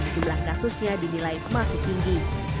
jumlah kasusnya dinilai masih tinggi